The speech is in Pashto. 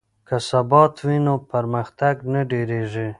که ثبات وي نو پرمختګ نه دریږي.